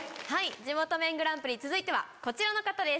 「地元麺グランプリ」続いてはこちらの方です